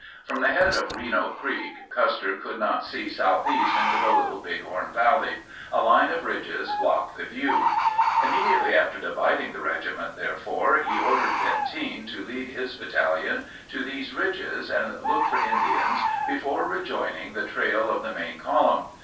From the head of Reno Creek, Custer could not see southeast into the Little Big 52 horn Valley; a line of ridges blocked the view. Immediately after dividing the regiment, therefore, he ordered Benteen to lead his battalion to these ridges and look for Indians before rejoining the trail of the main column.